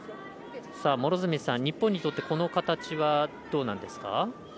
両角さん、日本にとってこの形はどうなんですか？